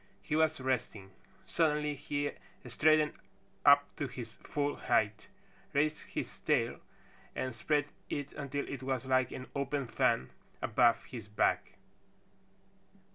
He was resting. Suddenly he straightened up to his full height, raised his tail and spread it until it was like an open fan above his back.